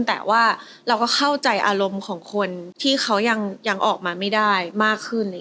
แต่ว่าเราก็เข้าใจอารมณ์ของคนที่เขายังออกมาไม่ได้มากขึ้น